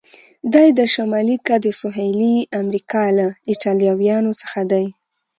دی د شمالي که د سهیلي امریکا له ایټالویانو څخه دی؟